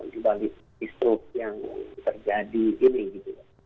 dibalik istruk yang terjadi ini